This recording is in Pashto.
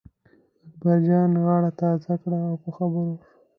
اکبرجان غاړه تازه کړه او په خبرو شو.